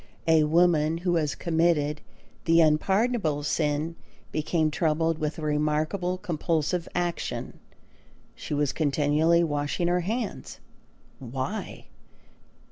A woman who had committed the unpardonable sin became troubled with a remarkable compulsive action. She was continually washing her hands. Why?